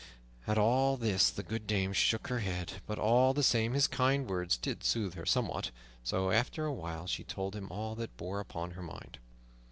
At all this the good dame shook her head; but all the same his kind words did soothe her somewhat, so after a while she told him all that bore upon her mind.